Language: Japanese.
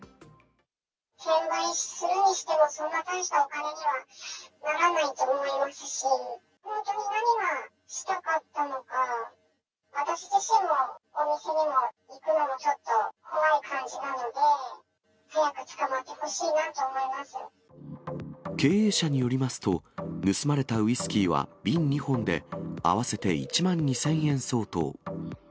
転売、売るにしてもそんな大したお金にはならないと思いますし、本当に何がしたかったのか、私自身もお店にも行くのもちょっと怖い感じなので、早く捕まって経営者によりますと、盗まれたウイスキーは瓶２本で、合わせて１万２０００円相当。